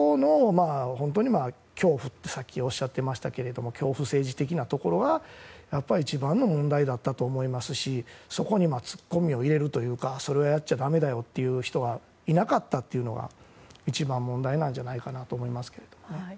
恐怖って、さっきおっしゃってましたけど恐怖政治的なところが一番の問題だったと思いますしそこに突っ込みを入れるというかそれはやっちゃだめだよと言う人はいなかったというのが一番問題なんじゃないかと思いますけどね。